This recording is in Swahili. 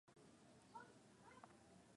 ya joto ambayo pengine itakayokuwa ni mwezi